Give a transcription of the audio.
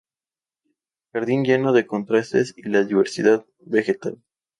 Jardín lleno de contrastes y la diversidad vegetal.